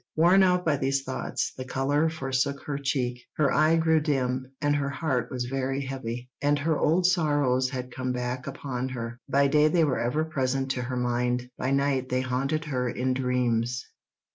Worn out by these thoughts, the colour forsook her cheek, her eye grew dim, and her heart was very heavy. All her old sorrows had come back upon her; by day they were ever present to her mind; by night they haunted her in dreams.